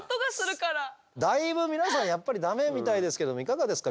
だいぶ皆さんやっぱりダメみたいですけどいかがですか？